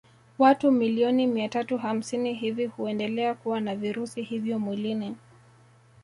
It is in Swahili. Watu milioni mia tatu hamsini hivi huendelea kuwa na virusi hivyo mwilini